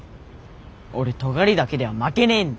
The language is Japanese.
俺尖りだけでは負けねえんで！